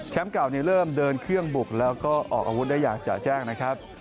เก่าเริ่มเดินเครื่องบุกแล้วก็ออกอาวุธได้อย่างจ่าแจ้งนะครับ